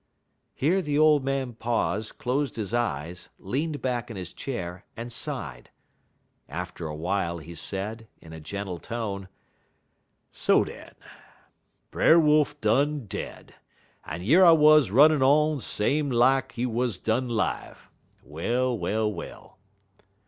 Here the old man paused, closed his eyes, leaned back in his chair, and sighed. After a while he said, in a gentle tone: "So den, Brer Wolf done dead, en yer I wuz runnin' on des same lak he wuz done 'live. Well! well! well!"